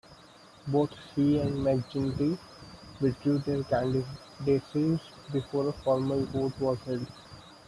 Both she and McGinty withdrew their candidacies before a formal vote was held.